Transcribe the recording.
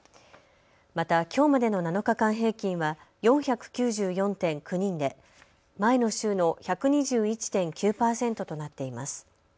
また、きょうまでの７日間平均は４９４．９人で前の週の１２１．９％となっています。